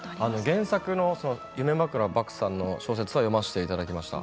原作の夢枕獏さんの小説は読ませていただきました。